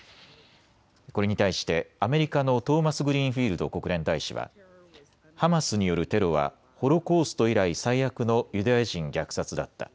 これに対してアメリカのトーマスグリーンフィールド国連大使はハマスによるテロはホロコースト以来最悪のユダヤ人虐殺だった。